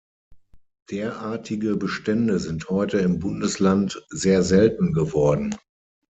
Derartige Bestände sind heute im Bundesland sehr selten geworden.